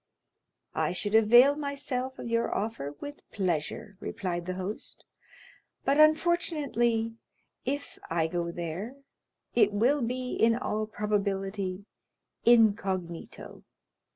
"I should avail myself of your offer with pleasure," replied the host, "but, unfortunately, if I go there, it will be, in all probability, incognito."